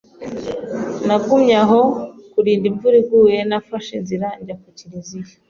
Nagumye aho kurinda imvura iguye nafashe inzira njya kukiriziya